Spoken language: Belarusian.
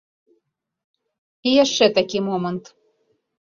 І яшчэ такі момант.